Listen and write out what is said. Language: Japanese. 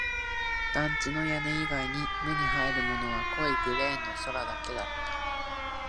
団地の屋根以外に目に入るものは濃いグレーの空だけだった